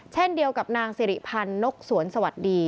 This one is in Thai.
เช่นเดียวกับนางสิริพันธ์นกสวนสวัสดี